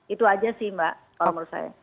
itu aja sih mbak kalau menurut saya